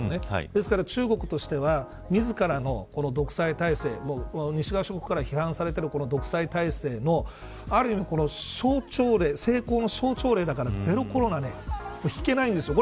ですから、中国としては自らの独裁体制西側から批判されている独裁体制のある意味成功の象徴例だからゼロコロナ、引けないんですよ。